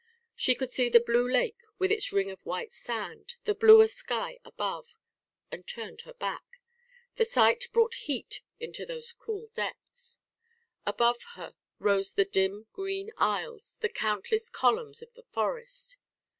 She could see the blue lake with its ring of white sand, the bluer sky above, and turned her back: the sight brought heat into those cool depths. Above her rose the dim green aisles, the countless columns of the forest.